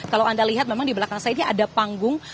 kalau anda lihat memang di belakang saya ini ada panggung